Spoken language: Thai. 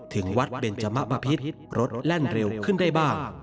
ถึงวัดเบนจมะบะพิษรถแล่นเร็วขึ้นได้บ้าง